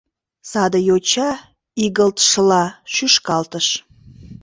Саде йоча игылтшыла шӱшкалтыш: